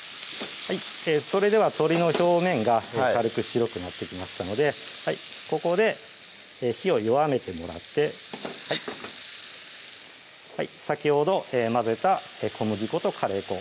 それでは鶏の表面が軽く白くなってきましたのでここで火を弱めてもらって先ほど混ぜた小麦粉とカレー粉